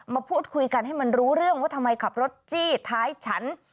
มาพูดคุยกันให้มันรู้เรื่องว่าทำไมขับรถจี้ท้ายฉัน